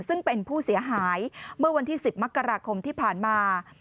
ซึ่งเป็นผู้เสียหายเมื่อวันที่๑๐มกราคมที่ผ่านมา